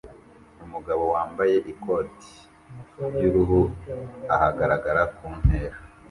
Umugabo wambaye ikoti ry'uruhu ahagarara ku ntera